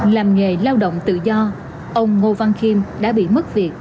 làm nghề lao động tự do ông ngô văn khiêm đã bị mất việc